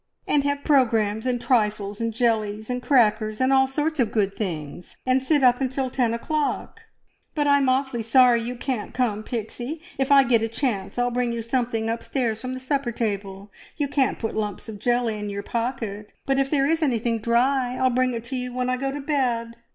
"And have programmes, and trifles, and jellies, and crackers, and all sorts of good things, and sit up until ten o'clock! But I'm awfully sorry you can't come, Pixie. If I get a chance I'll bring you something upstairs from the supper table. You can't put lumps of jelly in your pocket, but if there is anything dry, I'll bring it to you when I go to bed!"